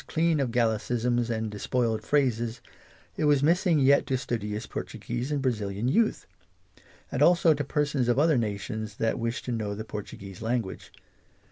*■ clean of gallicisms, and despoiled phrases, it was missing yet to studious Portuguese and brazilian Youth; and also to persons of others nations, that wish to know the Portuguese language.